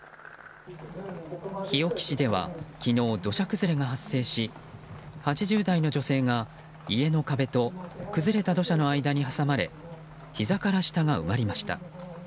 日置市では昨日、土砂崩れが発生し８０代の女性が家の壁と崩れた土砂の間に挟まれひざから下が埋まりました。